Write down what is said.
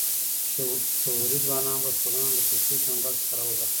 شعوري ځوانان به ټولنه له فکري کنګل څخه راوباسي.